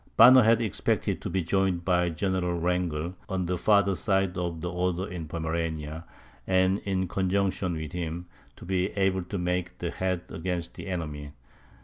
Banner had expected to be joined by General Wrangel, on the farther side of the Oder in Pomerania; and, in conjunction with him, to be able to make head against the enemy.